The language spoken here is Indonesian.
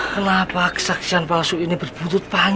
kenapa kesaksian palsu ini berbuntut panjang